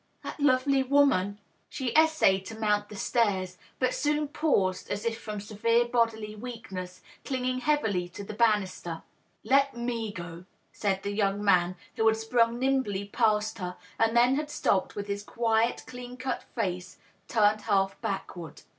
That lovely woman !" She essayed to mount the stairs, but soon paused, as if from severe bodily weakness, clinging heavily to the banister. " Let me go," said the young man, who had sprung nimbly past her, and then had stopped, with his quiet, clean cut face turned half backward.